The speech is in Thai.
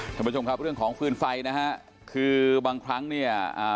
ท่านผู้ชมครับเรื่องของฟืนไฟนะฮะคือบางครั้งเนี่ยอ่า